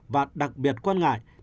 và đặc biệt quan ngại